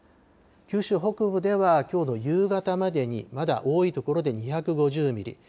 九州北部では、きょうの夕方までに、まだ多い所で２５０ミリ。